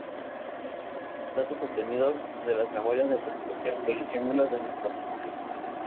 Datos obtenidos de las memorias de presentación de los símbolos de nuestro Municipio.